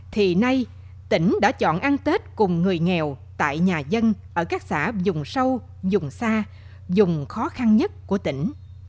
thì nay tỉnh đã chọn ăn tết cùng người nghèo tại nhà dân ở các xã dùng sâu dùng xa dùng khó khăn nhất của tỉnh